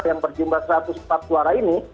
yang berjumlah seratus sepak suara ini